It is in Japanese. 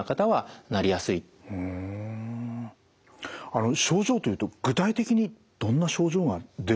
あの症状というと具体的にどんな症状が出るもんなんですか？